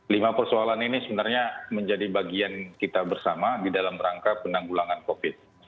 lima persoalan ini sebenarnya menjadi bagian kita bersama di dalam rangka penanggulangan covid